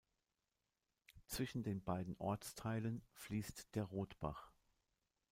Zwischen den beiden Ortsteilen fließt der Rotbach.